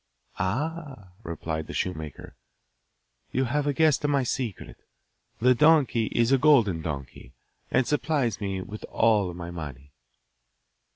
'Ah,' replied the shoemaker, 'you have guessed my secret. The donkey is a golden donkey, and supplies me with all my money.